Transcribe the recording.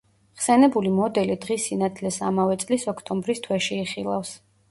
ხსენებული მოდელი დღის სინათლეს ამავე წლის ოქტომბრის თვეში იხილავს.